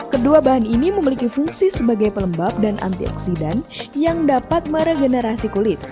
kedua bahan ini memiliki fungsi sebagai pelembab dan antioksidan yang dapat meregenerasi kulit